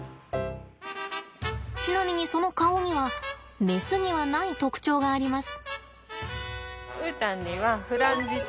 ちなみにその顔にはメスにはない特徴があります。